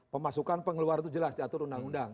pemasukan pengeluar itu jelas diatur undang undang